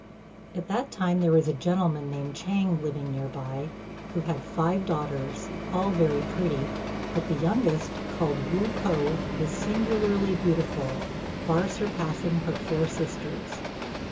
At that time there was a gentleman named Chang living near by, who had five daughters, all very pretty, but the youngest, called Wu k'o, was singularly beautiful, far surpassing her four sisters.